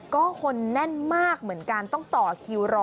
ก็คนแน่นมากเหมือนกันต้องต่อคิวรอ